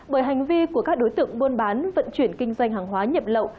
bởi hành vi của các đối tượng buôn bán vận chuyển kinh doanh hàng hóa nhập lậu